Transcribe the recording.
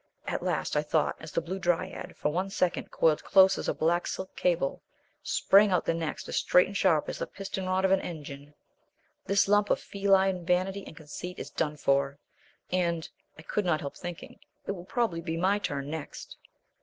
At last, I thought as the Blue Dryad, for one second coiled close as a black silk cable, sprang out the next as straight and sharp as the piston rod of an engine, this lump of feline vanity and conceit is done for, and I could not help thinking it will probably be my turn next!